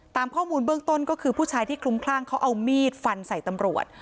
ตามข้อมูลเบื้องต้นก็คือผู้ชายที่คลุ้มคลั่งเขาเอามีดฟันใส่ตำรวจ